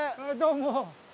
どうも。